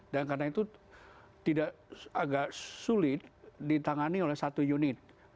dan karena itu agak sulit ditangani oleh satu unit